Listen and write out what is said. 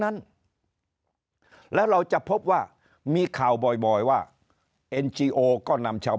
นั้นแล้วเราจะพบว่ามีข่าวบ่อยบ่อยว่าเอ็นจีโอก็นำชาว